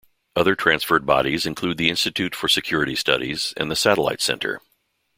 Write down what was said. Other transferred bodies include the Institute for Security Studies and the Satellite Centre.